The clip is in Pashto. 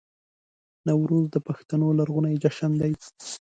نوروز د پښتنو لرغونی جشن دی